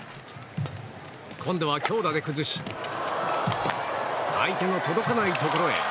今度は強打で崩し相手の届かないところへ。